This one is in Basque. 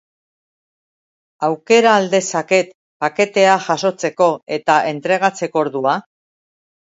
Aukera al dezaket paketea jasotzeko eta entregatzeko ordua?